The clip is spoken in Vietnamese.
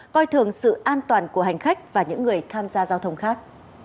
coi thường sự an toàn của hành khách và những người tham gia giao thông khác